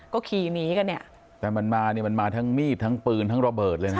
ก็ขี่หนีกันเนี่ยแต่มันมาเนี่ยมันมาทั้งมีดทั้งปืนทั้งระเบิดเลยนะ